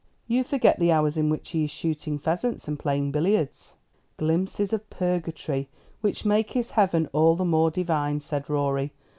"You forget the hours in which he is shooting pheasants and playing billiards." "Glimpses of purgatory, which make his heaven all the more divine," said Rorie.